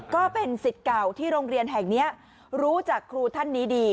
ก็เป็นสิทธิ์เก่าที่โรงเรียนแห่งนี้รู้จักครูท่านนี้ดี